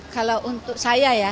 kalau untuk saya ya